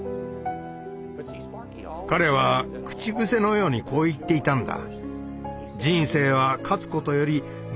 彼は口癖のようにこう言っていたんだ。